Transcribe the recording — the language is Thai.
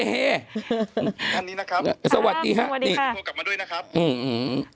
อันนี้นะครับวันดีครับถูกโทรกลับมาด้วยนะครับสวัสดีค่ะ